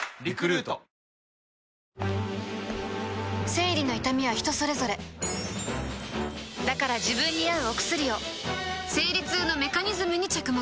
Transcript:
生理の痛みは人それぞれだから自分に合うお薬を生理痛のメカニズムに着目